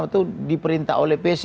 mau diperintah oleh pc